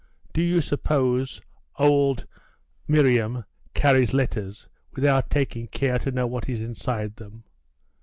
Do you suppose old Miriam carries letters without taking care to know what is inside them?